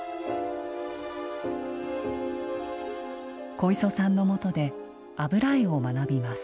小磯さんのもとで油絵を学びます。